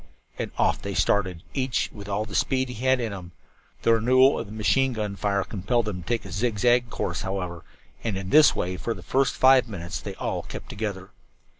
And off they started, each with all the speed he had in him. The renewal of the machine gun fire compelled them to take a zig zag course, however, and in this way for the first five minutes they all kept together.